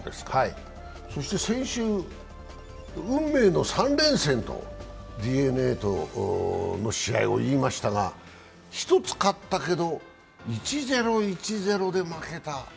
そして先週、運命の３連戦とＤｅＮＡとの試合をいいましたが１つ勝ったけど、１−０、１−０で負けた。